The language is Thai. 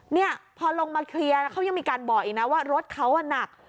เนี่ยพอลงมาเคลียร์เขายังมีการบอกอีกนะว่ารถเขาหนัก